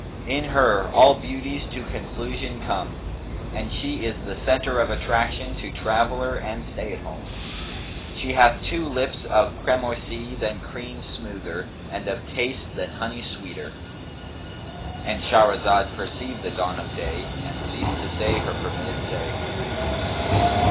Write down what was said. In her all beauties to conclusion come, and she is the centre of attraction to traveller and stay at home. She hath two lips of cramoisy, than cream smoother and of taste than honey sweeter,'" —And Shahrazad perceived the dawn of day and ceased to say her permitted say.